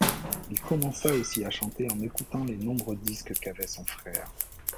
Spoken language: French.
Il commença aussi à chanter en écoutant les nombreux disques qu'avait son frère.